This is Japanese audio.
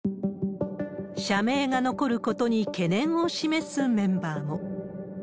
社名が残ることに懸念を示すメンバーも。